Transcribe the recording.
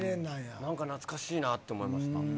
なんか懐かしいなと思いました。